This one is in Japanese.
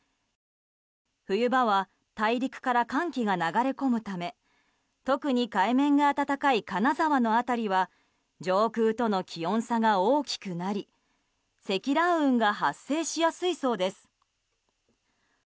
冬場は大陸から寒気が流れ込むため特に海面が暖かい金沢の辺りは上空との気温差が大きくなり積乱雲が発生しやすいそうです。